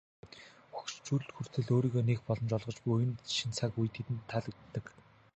Хөгшчүүлд хүртэл өөрийгөө нээх боломж олгож буй энэ шинэ цаг үе тэдэнд таалагддаг.